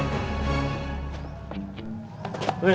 nggak ada yang